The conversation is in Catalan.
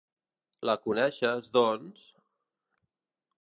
La coneixes, doncs?